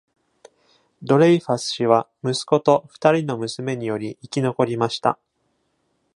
ドレイファス氏は息子と二人の娘により生き残りました。